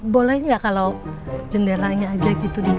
boleh nggak kalau jendelanya aja gitu